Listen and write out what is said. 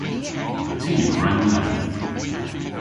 Ty a bren leth.